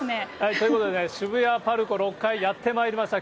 ということでね、渋谷ＰＡＲＣＯ６階、やってまいりました。